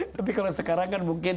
tapi kalau sekarang kan mungkin